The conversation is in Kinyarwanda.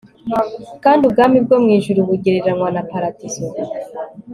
kandi ubwami bwo mu ijuru bugereranywa na paradizo